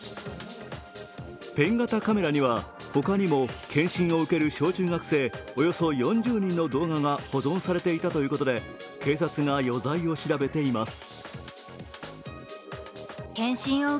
ペン型カメラには他にも健診を受ける小中学生およそ４０人の動画が保存されていたということで警察が余罪を調べています。